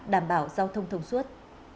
đảm bảo giao thông thông suốt